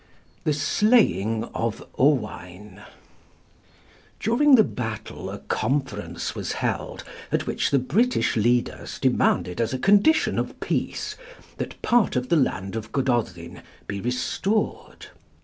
THE SLAYING OF OWAIN [During the battle a conference was held, at which the British leaders demanded as a condition of peace that part of the land of Gododin be restored.